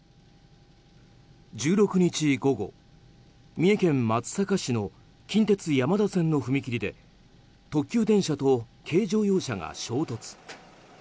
１６日午後、三重県松阪市の近鉄山田線の踏切で特急電車と軽乗用車が衝突。